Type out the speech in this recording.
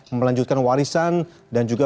melanjutkan warisan dan juga